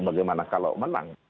bagaimana kalau menang